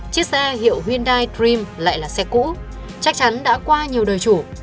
chiếc xe hiệu hyundai dtream lại là xe cũ chắc chắn đã qua nhiều đời chủ